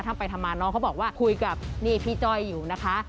ทำไปทำมาน้องเขาบอกว่าคุยกับนี่พี่จ้อยอยู่นะคะ